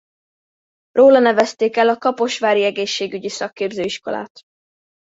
Róla nevezték el a kaposvári egészségügyi szakképző iskolát.